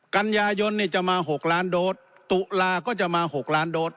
กันยายนจะมา๖ล้านโดสตุลาก็จะมา๖ล้านโดส